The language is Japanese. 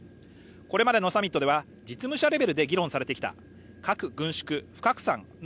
これまでのサミットでは実務者レベルで議論されてきた核軍縮・不拡散の